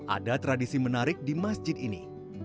ada tradisi menarik di masjid ini